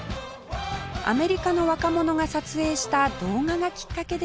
アメリカの若者が撮影した動画がきっかけでした